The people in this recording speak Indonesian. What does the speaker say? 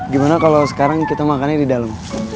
gimana kalo sekarang kita makannya di dalem